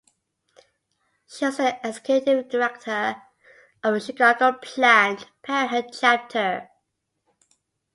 She was the executive director of the Chicago Planned Parenthood chapter.